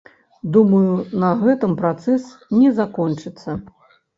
Думаю, на гэтым працэс не закончыцца.